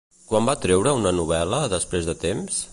Quan va treure una novel·la després de temps?